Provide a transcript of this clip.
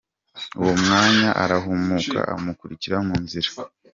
" Uwo mwanya arahumuka amukurikira mu nzira.